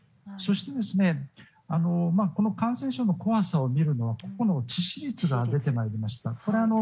そして、この感染症の怖さを見るのは致死率が出てまいりました。